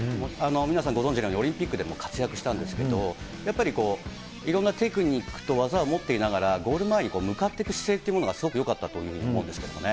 皆さんご存じのように、オリンピックでも活躍したんですけど、やっぱりいろんなテクニックと技を持っていながら、ゴール前に向かっていく姿勢というものが、すごくよかったと思うんですけどね。